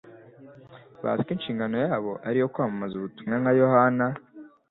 Bazi ko inshingano yabo ari iyo kwamamaza ubutumwa nka Yohana